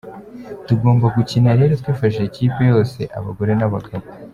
Tugomba gukina rero twifashishije ikipe yose , abagore n’abagabo.